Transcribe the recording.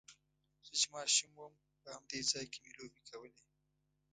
زه چې ماشوم وم په همدې ځای کې مې لوبې کولې.